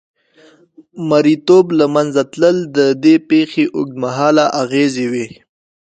مریتوب له منځه تلل د دې پېښې اوږدمهاله اغېزې وې.